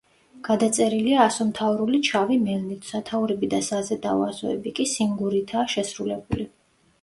გადაწერილია ასომთავრულით შავი მელნით, სათაურები და საზედაო ასოები კი სინგურითაა შესრულებული.